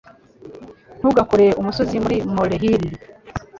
Ntugakore umusozi muri molehill.